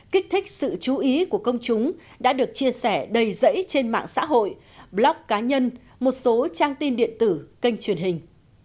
kích thích sự chú ý của công chúng đã được chia sẻ đầy dãy trên mạng xã hội blog cá nhân một số trang tin điện tử kênh truyền hình